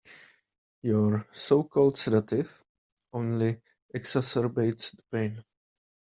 Your so-called sedative only exacerbates the pain.